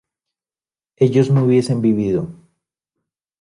ellos no hubiesen vivido